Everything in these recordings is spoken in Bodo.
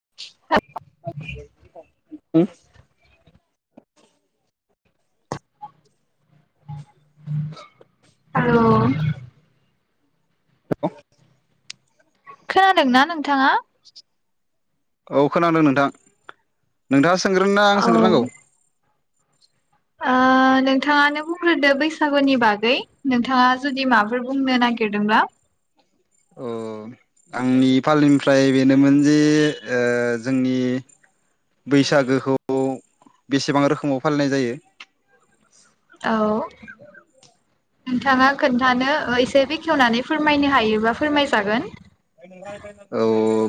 [unintelligible] [unintelligible] खोनादोंना नोंथाङा। औ खोनादों नोंथां नोंथाङा सोंग्रोना औ आं सोंग्रोनांगौ नोंथाङानो बुंग्रोदो बैसागुनि बागै नोंथाङा जुदि माफोर बुंनो नागिरदोंब्ला। अ आंनि फालिनिफ्राय बेनोमोन जे ओ जोंनि बैसागोखौ बेसेबां रोखोमाव फालिनाय जायो। औ। नोंथाङा खोन्थानो एसे बेखेवनानै फोरमायनो हायोबा फोरमायजागोन औ।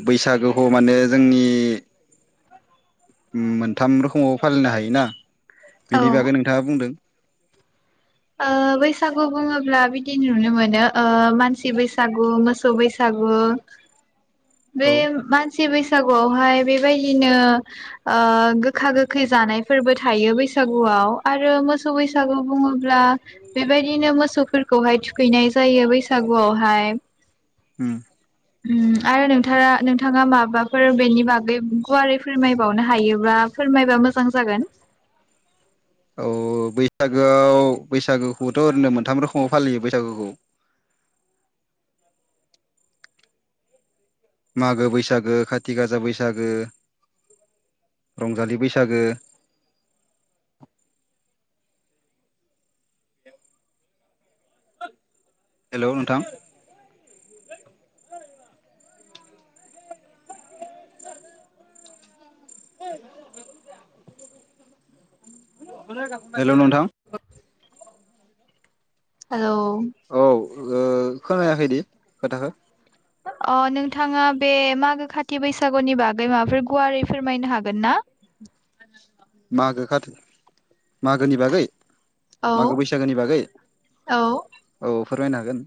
बैसागोखौ माने जोंनि मोनथाम रोखोमाव फालिनो हायोना। औ बेनि बागै नोंथाङा बुंदो। ओ बैसागु बुङोब्ला बिदि नुनो मोनो ओ मानसि बैसागु मोसौ बैसागु बे औ मानसि बैसागुआवहाय बेबायदिनो ओ गोखा गोखै जानायफोरबो थायो बैसागुआव आरो मोसौ बैसागु बुङो। ब्ला बेबायदिनो मोसौफोर। खौहाय थुखैनाय जायो बैसागुआवहाय उम। ओम आरो नोंथारा नोंथाङा माबा फोर बेनि बागै गुवारै फोरमायबावनो हायोबा फोरमायबा मोजां जागोन। औ बैसागोआव बैसागोखौथ' ओरैनो मोनथाम रोखोमाव फालियो बैसागुखौ। मागो बैसागो खाथि गाजा बैसागो रंजालि बैसागो। हेलौ नोंथां [inaudible] हेलौ नोंथां हेल' औ ओ खोनायाखैदि खोथाखो अ नोंथाङा बे मागो खाथि बैसागुनि बागै माबाफोर गुवारै फोरमायनो हागोन ना? मागो खाथ मागोनि बागै। औ मागो बैसागोनि बागै औ औ। फोरमायनो हागोन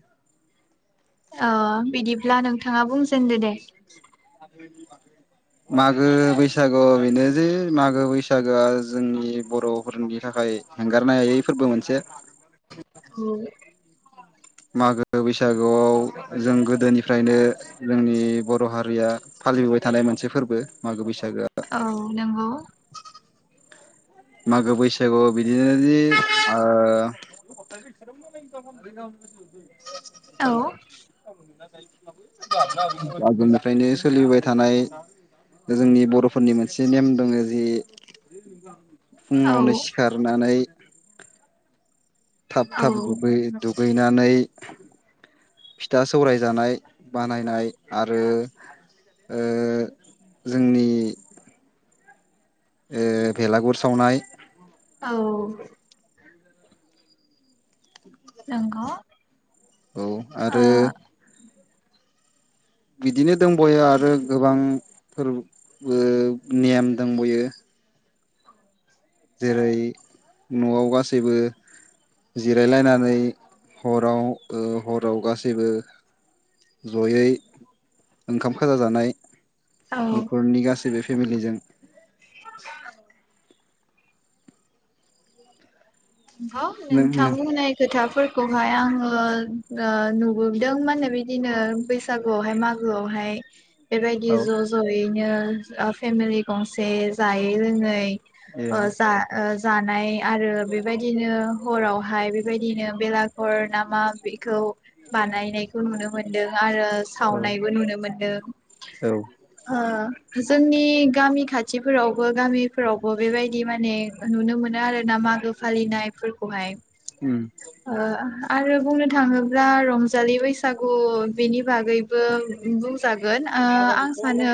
अ बिदिब्ला नोंथाङा बुंजेनदो दे। मागो बैसागु बेनो जे मागो बैसागोआ जोंनि बर'फोरनि थाखाय हेंगारनो हायै फोरबो मोनसे। होम मागो बैसागोआव जों गोदोनिफ्रायनो जोंनि बर' हारिया फालिबोबाय थानाय मोनसे फोरबो मागो बैसागो औ नंगौ। मागो बैसागु बिदिनो जि ओ औ आगोलनिफ्रायनो सोलिबोबाय थानाय जोंनि बर'फोरनि मोनसे नेम दङ जि फुङावनो औ सिखारनानै थाब औ थाब दुगै दुगै। बिनानै फिथा सौराय जानाय बानायनाय आरो ओ जोंनि ओ भेलागुर सावनाय। औ नंगौ। औ ओ आरो औ बिदिनो दंबायो आरो गोबांफोर नेम दंबायो। [inaudible] जेरै न'आव गासैबो जिरायलायनानै हराव ओ हराव गासैबो जयै ओंखाम खाजा जानाय। नंगौ नखरनि गासेैबो। फेमिलिजों [inaudible] नंगौ नों नोंथां नों बुंनाय खोथा फोरखौहाय आङो ओ नुबोदों मा होनो बिदिनो बैसागुआवहाय मागोआवहाय। बेबायदि औ ज' ज'यैनो फेमिलि गंसे जायै लोङै ए अ जा ओ जानाय आरो बे बिनो हरावहाय बेबायदिनो बेलाघर ना मा बेखौ बानायनायखौ नुनो मोनदों औ सावनायबो नुनो मोनदों औ जोंनि नि गामि खाथिफोरावबो गामिफोरावबो बेबायदि माने नुनो मोनो आरो ना मागो फालिनायफोरखौहाय उम ओ आरो बुंनो थाङोब्ला रंजालि बैसागु बेनि बागैबो बुंजागोन आं सानो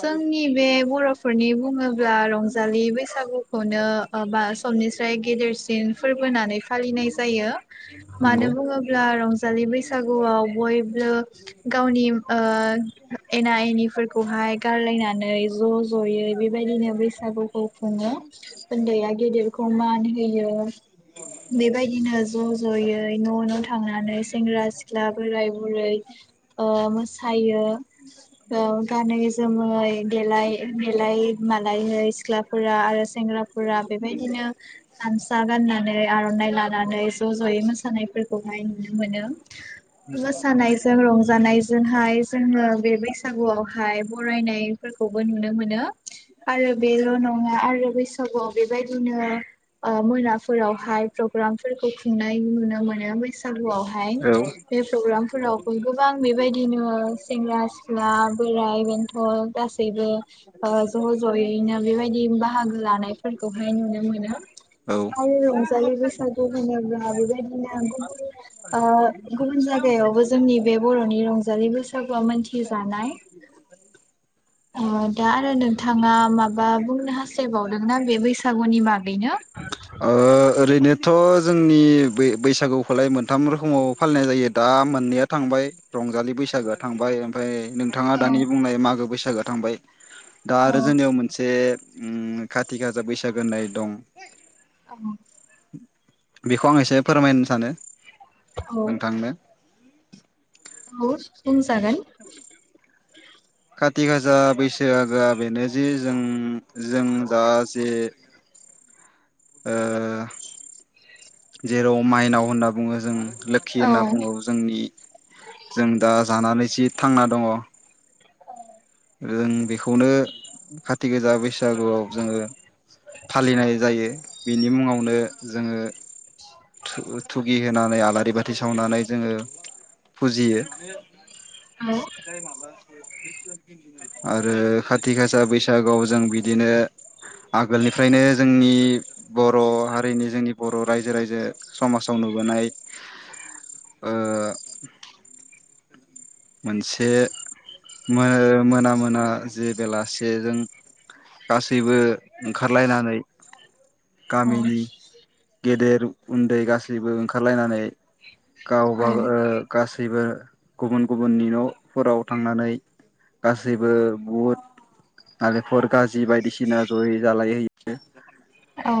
जोंनि बे बर'फोरनि बुङोब्ला रंजालि बैसागु खौनो ओ बा समनिस्राय गेदेरसिन फोरबो होनानै फालिनाय जायो। मानो नंगौ बुङोब्ला रंजालि बैसागुआव बयबो गावनि एना एनिफोरखौहाय गारलायनानै ज' ज'यै बेबायदिनो बैसागुखौ खुङो उन्दैया गेदेरखौ मान हो बियो बेबायदिनो ज' ज'यै न' न' थांनानै सेंग्रा सिख्ला बोराय बुरै मो थायो गानै जोमै देलाय देलाय मा [unintelligible] फोर आरो सेंग्राफोरा बेबायदिनो गामसा गाननानै आर'नाइ लानानै ज' ज'यै मोसानायफोरखौहाय नुनो मोनो मोसानायजों रंजानायजोंहाय जोङो बे बैसागुआवहाय बरायनायफोरखौबो नुनो मोनो आरो बेल' नङा आरो बैसागुआव बेबायदिनो आ मोनाफोरावहाय प्रग्रामफोरखौ खुंनाय नुनो मोनो बैसागुआवहाय औ बे प्रग्राम फोरावबो गोबां बेबायदिनो सेंग्रा सिख्ला बोराय बेन्थ' गासैबो ओ ज' ज'यैनो बेबायदि बाहागो लानायफोरखौहाय नुनो मोनो औ आरो रंजालि बैसागु होनोब्ला बेबायदिनो गुबुन आ गुबुन जायगायावबो जोंनि बे बर'नि रंजालि बैसागुआ मोनथिजानाय आ दा आरो नोंथाङा माबा बुंनो हास्थायबावदोंना बे बैसागुनि बागैनो ओ ओरैनोथ' जोंनि बै बैसागुखौलाय मोनथाम रोखोमाव फालिनाय जायो दा मोननैया थांबाय रंजालि बैसागोआ थांबाय ओमफ्राय नोंथाङा औ दानि बुंनाय मागो बैसागोआ थांबाय दा औ आरो जोंनियाव मोनसे उम खाथि खाजा बैसागो होननाय दं औ बेखौ आं एसे फोरमायनो सानो औ आं थांनो औ बुं जागोन खाथि गासा बैसागोआ बेनो जि जों जों दा जे ओ जेराव माइनाव होनना बुङो जों लोखि औ होनना बुङो जोंनि जों दा जानानै जि थांना दङ जों बेखौनो खाथि गोजा बैसागुआव जोङो फालिनाय जायो बिनि मुङावनो जोङो थुगि होनानै आलारि बाथि सावनानै जोङो फुजियो औ दाय माब [inaudible] आरो खाथि गासा बैसागोआव जों बिदिनो आगोलनिफ्रायनो जोंनि बर' हारिनि जोंनि बर' रायजो राजा समाजाव नुबोनाय ओ मोनसे मोन मोना मोना जे बेलासेजों गासैबो ओंखारलायनानै गामिनि गेदेर उन्दै गासैबो ओंखारलायनानै गावबाग गासैबो गुबुन गुबुननि न'फोराव थांनानै गासैबो बुट नालेंख गाजि बायदिसिना जयै जालायहैयो औ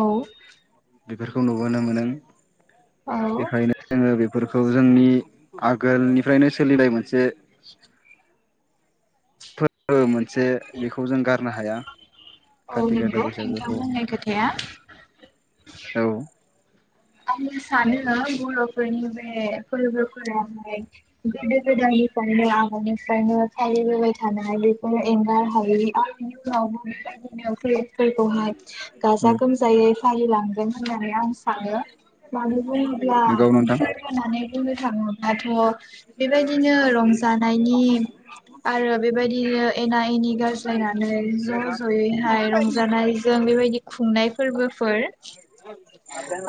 बेफोरखौ नुबोनो मोनो औ खौ जोंनि आगोलनिफ्रायनो सोलिनाय मोनसे [inaudible] फोन [inaudible] बेखौ जों गा नो हाया औ खाथि गाजा नंगौ नोंथां बैसागोखौ होननाय खोथाया औ आङो सानो बर'फोरनि बे फोरबोफोराहाय गोदो गोदायनिफ्रायनो आगोलनिफ्रायनो फालिबोबाय थानाय बेफोर एंगारहायि आंनि उनाव फ फोरखौहाय गाजा उम गोमजायै फालिलांगोन खोनायाखै आं सानो मानि नंगौ नोंथां मलानानै ओरै थाङो दाथ' बेबायदिनो रंजानायनि आरो बेबायदिनो एना एनि गासै जाय ज' ज'यैहाय रंजानायजों बेबायदि ए खुंनाय फोरबोफोर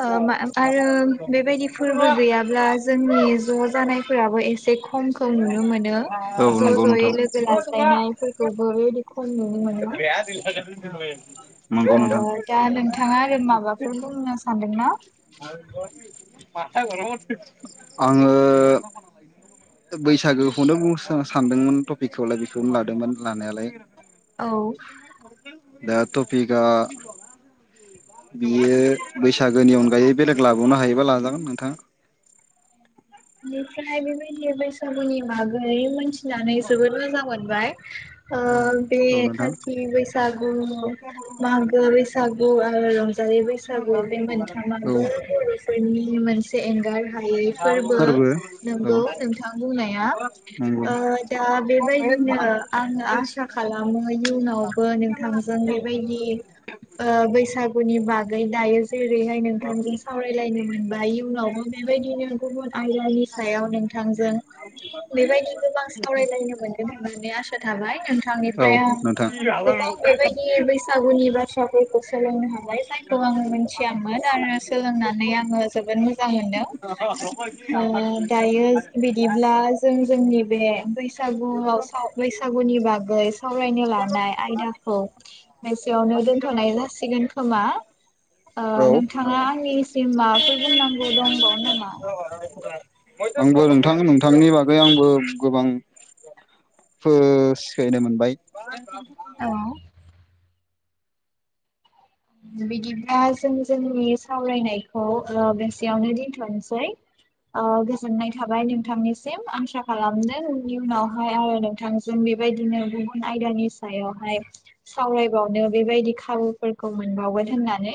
ओ मा आरो बे बायदि फोरबो गैयाब्ला जोंनि ज' जानायफोराबो एसे खमखौ नुनो मोनो। औ ज' नंगौ ज'यै नोंथां लोगो लाज्लायनायफोरखौबो बिदि [unintelligible] [inaudible] ओ नोंथां दा नोंथाङा आरो माबाफोर बुंनो सानदोंना? आङो बैसागोखौनो बुंसो सानदोंमोन टपिकखौलाय बेखौनो लादोंमोन लानायालाय‌। औ दा टपिकआ बियो बैसागोनि अनगायै बेलेग लाबावनो हायोबा लाजागोन नोंथां। बेनिफ्राय बेबायदिनो बैसागुनि बागै मोनथि नानै जोबोद मोजां मोनबाय ओ बे औ नोंथां खाथि बैसाग उम मागो बैसागु आरो रंजालि बैसागु बे औ मोनथामाबो बर'फोरनि मोनसे एंगार हायै फोरब बो फोरबो औ नंगौ नोंथां बुंनाया नंगौ ओ दा बे बायदिनो आङो आसा खालामो आङो इदि उनावबो नोंथांजों बेबायदि ओ बैसागुनि बागै दायो जेरैहाय नोंथांजों सावरायलायनो मोनबाय इयुनावबो बेबायदिनो गुबुन आयदानि सायाव नोंथांजों बेबायदि गोबां सावरायलायनो मोनगोन होननानै आसा थाबाय नोंथांनिफ औ फ्राय आं नोंथां गोबां बेबायदि बैसागुनि बाथ्राफोरखौ सोलोंनो हाबाय जायखौ आङो मोनथि गियान मोन आरो सोलोंनानै आङो जोबोद मोजां मोनो। ओ दायो बिदिब्ला जों जोंनि बे बैस सागुआव साव बैसाग गुनि बागै सावरायनो लानाय आयदाखौ एसेयावनो दोनथ'नाय जासिगोन खोमा। ओ औ नोंथाङा आंनिसिम माबा फो‌र बुंनांगौ दंबावो नामा? आंबो नोंथां नोंथांनि बागै आंबो गोबां फो सिखायनो मोनबाय। औ बिदिब्ला जों जोंनि सावरायनायखौ ओ बेसेयावनो दिनथ'नोसै ओ गोजोननाय थाबाय नोंथांनिसिम। आंसा खालामदों इयुनावहाय आरो नोंथांजों बेबायदिनो गुबुन आयदानि सायावहाय सावरायबावनो बेबायदि खाबुफोर खौ मोनबावगोन होननानै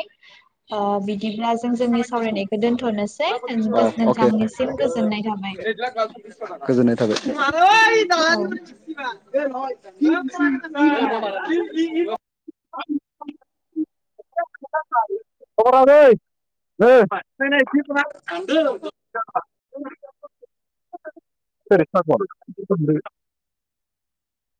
ओ बिद दिब्ला जों जोंनि सावरायनायखौ दोन्थ'नोसै अ ओंगो अके नोंथांनिसिम गोजोननाय थाबाय। थाब। [unintelligible] दे नाय [unintelligible] औ [unintelligible] खरैै स [unintelligible]